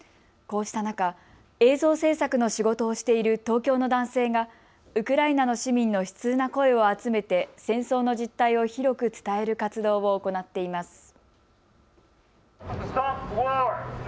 こうした中、映像制作の仕事をしている東京の男性がウクライナの市民の悲痛な声を集めて戦争の実態を広く伝える活動を行っています。